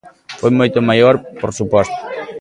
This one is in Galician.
Foi moito maior, por suposto.